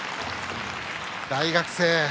大学生。